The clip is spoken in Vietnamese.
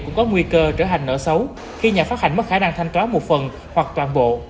cũng có nguy cơ trở thành nợ xấu khi nhà phát hành mất khả năng thanh toán một phần hoặc toàn bộ